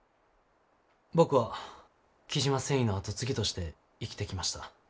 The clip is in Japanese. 僕は雉真繊維の後継ぎとして生きてきました。